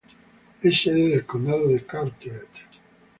Es sede del condado de Carteret.